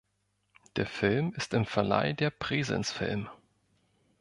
Der Film ist im Verleih der Praesens Film.